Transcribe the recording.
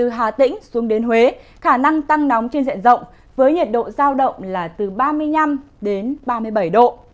hà tĩnh xuống đến huế khả năng tăng nóng trên diện rộng với nhiệt độ giao động là từ ba mươi năm đến ba mươi bảy độ